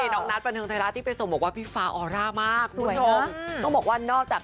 อย่างภาพที่เห็นวันก่อนนี้นี้ละคะก่อนไปกลับ